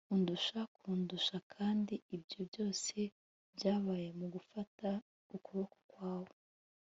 undusha, kundusha. kandi ibyo byose byabaye mu gufata ukuboko kwawe